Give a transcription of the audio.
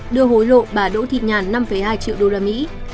đưa hối lộ bà đỗ thịt nhàn năm hai triệu usd